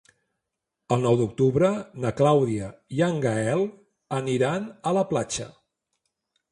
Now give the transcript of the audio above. El nou d'octubre na Clàudia i en Gaël aniran a la platja.